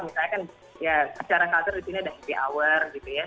misalnya kan ya secara culture di sini ada happy hour gitu ya